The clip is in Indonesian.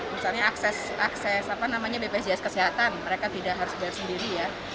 misalnya akses bpjs kesehatan mereka tidak harus bayar sendiri ya